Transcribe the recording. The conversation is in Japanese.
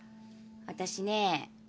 私ね